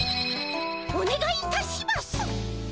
おねがいいたします！